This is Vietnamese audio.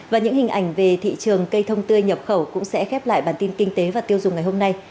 và những hình ảnh về thị trường cây thông tươi nhập khẩu cũng sẽ khép lại bản tin kinh tế và tiêu dùng ngày hôm nay